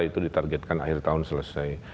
itu ditargetkan akhir tahun selesai